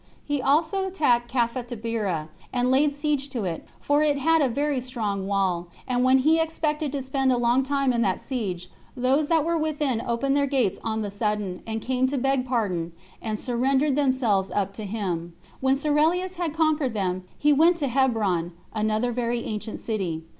He also attacked Caphatabira, and laid siege to it, for it had a very strong wall; and when he expected to spend a long time in that siege, those that were within opened their gates on the sudden, and came to beg pardon, and surrendered themselves up to him. When Cerealis had conquered them, he went to Hebron, another very ancient city.